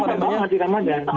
tapi namanya hati ramadan